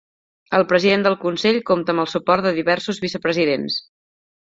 El president del consell compta amb el suport de diversos vicepresidents.